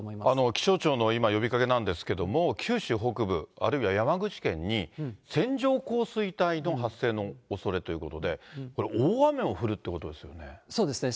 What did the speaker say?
気象庁の今、呼びかけなんですけれども、九州北部、あるいは山口県に線状降水帯の発生のおそれということで、これ、そうですね。